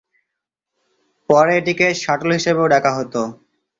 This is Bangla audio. পরে এটিকে শাটল হিসেবেও ডাকা হত।